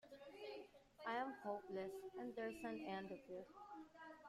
I'm hopeless, and there's an end of it.